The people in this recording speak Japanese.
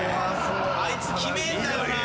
あいつきめえんだよな。